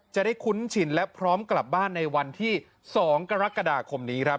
คุ้นชินและพร้อมกลับบ้านในวันที่๒กรกฎาคมนี้ครับ